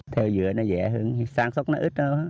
theo dừa nó dẻ hơn sản xuất nó ít đó